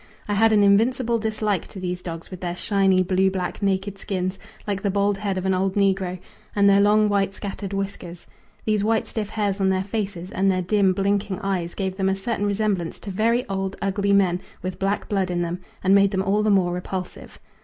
I had an invincible dislike to these dogs with their shiny blue black naked skins, like the bald head of an old negro, and their long white scattered whiskers. These white stiff hairs on their faces and their dim blinking eyes gave them a certain resemblance to very old ugly men with black blood in them, and made them all the more repulsive.